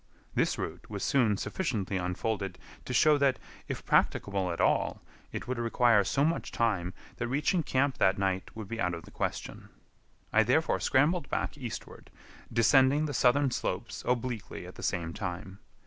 This route was soon sufficiently unfolded to show that, if practicable at all, it would require so much time that reaching camp that night would be out of the question. I therefore scrambled back eastward, descending the southern slopes obliquely at the same time.